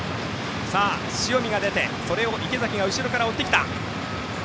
塩見が出て池崎が後ろから追ってきた。